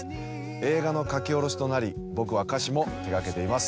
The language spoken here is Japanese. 映画の書き下ろしとなり僕は歌詞も手がけています